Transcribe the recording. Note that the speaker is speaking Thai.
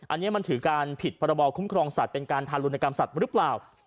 อันนี้มันถือการผิดพรบคุ้มครองสัตว์เป็นการทารุณกรรมสัตว์หรือเปล่า